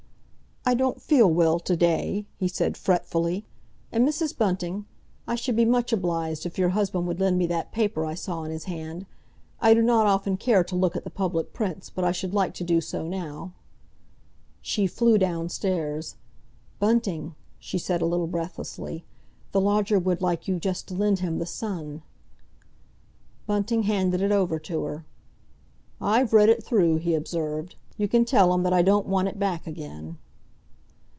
"I don't feel well to day," he said fretfully. "And, Mrs. Bunting? I should be much obliged if your husband would lend me that paper I saw in his hand. I do not often care to look at the public prints, but I should like to do so now." She flew downstairs. "Bunting," she said a little breathlessly, "the lodger would like you just to lend him the Sun." Bunting handed it over to her. "I've read it through," he observed. "You can tell him that I don't want it back again."